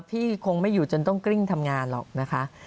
คงไม่อยู่จนต้องกริ้งทำงานหรอกนะคะ